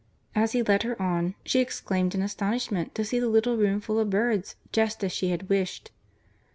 As he led her on she exclaimed in astonishment to see the little room full of birds just as she had wished.